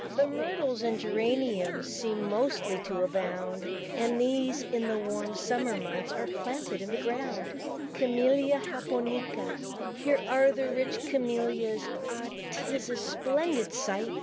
The Myrtles and Geraniums Seem mostly to abound; And these, in the warm summer months, Are planted in the ground. CAMELLIA JAPONICA. Here are the rich Camellias; Oh, 'tis a splendid sight!